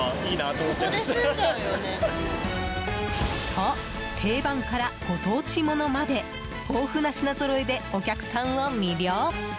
と、定番からご当地ものまで豊富な品ぞろえでお客さんを魅了。